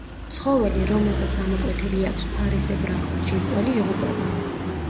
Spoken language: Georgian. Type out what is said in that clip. ცხოველი, რომელსაც ამოკვეთილი აქვს ფარისებრახლო ჯირკვალი, იღუპება.